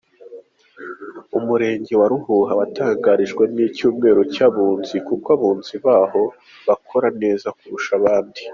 Umurenge wa Ruhuha watangirijwemo icyumweru cy’abunzi kuko abunzi baho bakora neza kurusha abandi.